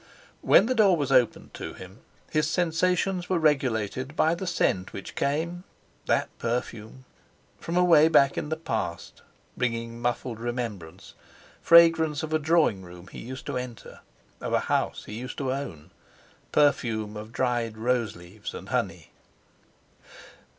When the door was opened to him his sensations were regulated by the scent which came—that perfume—from away back in the past, bringing muffled remembrance: fragrance of a drawing room he used to enter, of a house he used to own—perfume of dried rose leaves and honey!